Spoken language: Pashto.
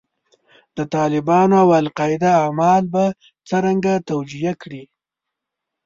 د طالبانو او القاعده اعمال به څرنګه توجیه کړې.